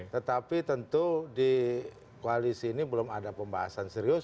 tetapi tentu di koalisi ini belum ada pembahasan serius